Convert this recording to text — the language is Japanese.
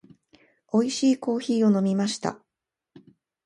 美味しいコーヒーを飲みました。